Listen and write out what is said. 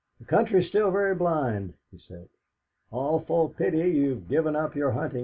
"The country's still very blind," he said. "Awful pity you've given up your huntin'."